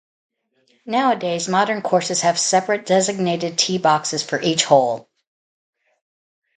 Nowadays, modern courses have separate, designated tee boxes for each hole.